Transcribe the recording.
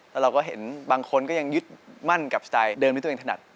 แล้วเราก็เห็นบางคนก็ยังยึดมั่นกับสไตล์เดิมที่ตัวเองถนัด